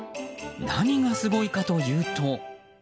何がすごいかというと。